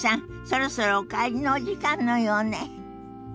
そろそろお帰りのお時間のようね。